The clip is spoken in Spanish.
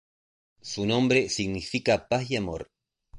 Su nombre significa "Paz y Amor".